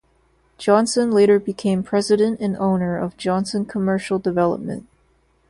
Johnson later became president and owner of Johnson Commercial Development.